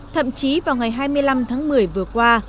thậm chí vào ngày hai mươi năm tháng một mươi vừa qua